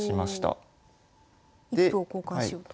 一歩を交換しようと。